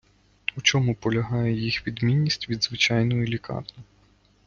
У чому полягає їх відмінність від звичайної лікарні?